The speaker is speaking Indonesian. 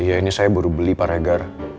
iya ini saya baru beli pak reger